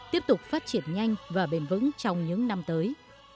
tiếp tục phát triển nhanh và bền vững trong những năm tới